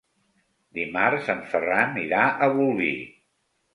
Dimarts en Ferran irà a Bolvir.